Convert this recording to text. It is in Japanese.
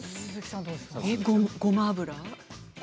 ごま油。